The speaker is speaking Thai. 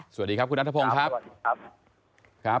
สวัสดีครับคุณนัทพงศ์ครับสวัสดีครับครับ